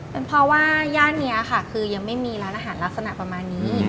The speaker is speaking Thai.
เป็นเพราะว่าย่านนี้ค่ะคือยังไม่มีร้านอาหารลักษณะประมาณนี้